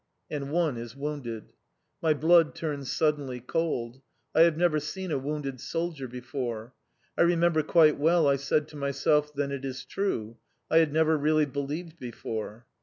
And one is wounded. My blood turns suddenly cold. I have never seen a wounded soldier before. I remember quite well I said to myself, "Then it is true. I had never really believed before!"